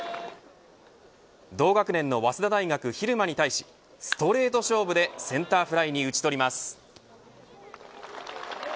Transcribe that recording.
同学年の早稲田大学の蛭間に対しストレート勝負でセンターフライに打ち取ります。